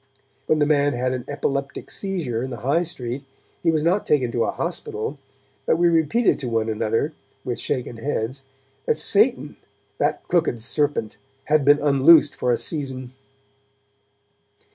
When the man had an epileptic seizure in the High Street, he was not taken to a hospital, but we repeated to one another, with shaken heads, that Satan, that crooked Serpent, had been unloosed for a season.